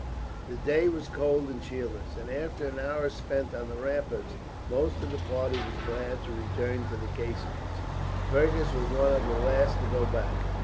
The day was cold and cheerless, and after an hour spent on the rampart most of the party were glad to return to the casemates. Fergus was one of the last to go back.